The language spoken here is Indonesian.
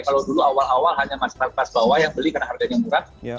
kalau dulu awal awal hanya masyarakat kelas bawah yang beli karena harganya murah